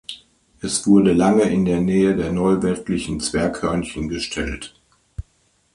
Es wurde lange in die Nähe der Neuweltlichen Zwerghörnchen gestellt.